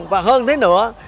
và hơn thế nữa